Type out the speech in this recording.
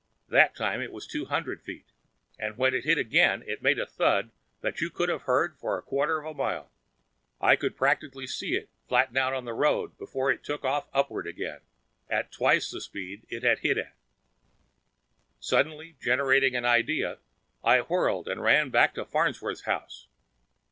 That time it was two hundred feet, and when it hit again, it made a thud that you could have heard for a quarter of a mile. I could practically see it flatten out on the road before it took off upward again, at twice the speed it had hit at. Suddenly generating an idea, I whirled and ran back to Farnsworth's house.